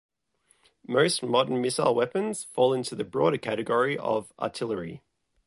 Most modern missile weapons fall into the broader category of artillery.